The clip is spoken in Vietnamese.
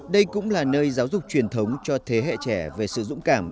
đây cũng là nơi giáo dục truyền thống cho thế hệ trẻ về sự dũng cảm